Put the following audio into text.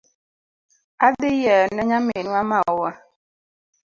Adhi yieo ne nyaminwa maua